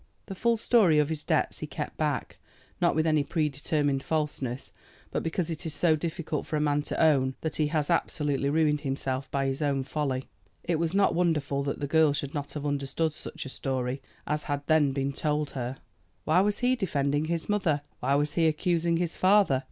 The full story of his debts he kept back, not with any predetermined falseness, but because it is so difficult for a man to own that he has absolutely ruined himself by his own folly. It was not wonderful that the girl should not have understood such a story as had then been told her. Why was he defending his mother? Why was he accusing his father?